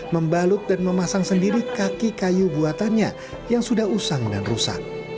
membalut dan memasang sendiri kaki kayu buatannya yang sudah usang dan rusak